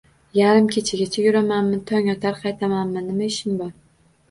Yarim kechagacha yuramanmi, tongotar qaytamanmi nima ishing bor.